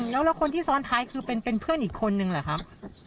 แล้วคนที่ซ้อนท้ายคือเป็นเพื่อนอีกคนนึงเหรอครับ